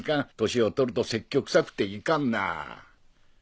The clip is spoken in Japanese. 年をとると説教くさくていかんな。